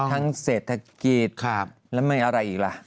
ทั้งเศรษฐกิจแล้วมันมีอะไรอีกล่ะ